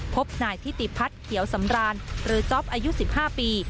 พบนายทิติพัฒน์เขียวสำราญหรือจ๊อปอายุ๑๕ปี